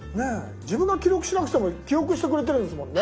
自分が記録しなくても記憶してくれてるんですもんね。